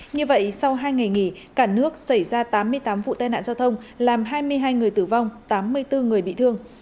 như vậy sau hai ngày nghỉ cả nước xảy ra tám mươi tám vụ tai nạn giao thông làm hai mươi hai người tử vong tám mươi bốn người bị thương